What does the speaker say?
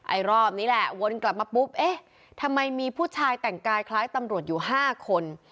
รอบนี้แหละวนกลับมาปุ๊บเอ๊ะทำไมมีผู้ชายแต่งกายคล้ายตำรวจอยู่๕คน